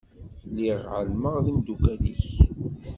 Lliɣ εelmeɣ d imdukal-ik.